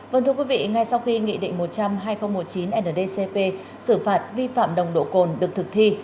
vâng thưa quý vị ngay sau khi nghị định một trăm linh hai nghìn một mươi chín ndcp xử phạt vi phạm nồng độ cồn được thực thi